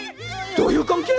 どういう関係！？